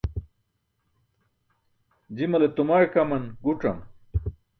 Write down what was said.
Jimale tumaẏ kaman guc̣am.